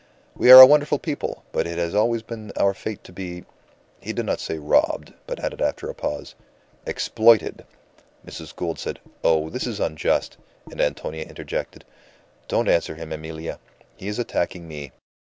We are a wonderful people, but it has always been our fate to be" he did not say "robbed," but added, after a pause "exploited!" Mrs. Gould said, "Oh, this is unjust!" And Antonia interjected, "Don't answer him, Emilia. He is attacking me."